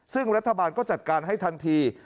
ซึ่งรัฐบาลก็จัดการให้ทันที